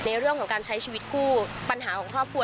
ในเรื่องของการใช้ชีวิตคู่ปัญหาของครอบครัว